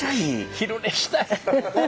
昼寝したい。